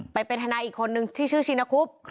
ไปเป็นทนายอีกคนนึงที่ชื่อชินคุบ